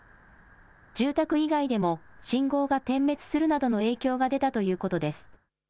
住宅以外でも、信号が点滅するなどの影響が出たということです。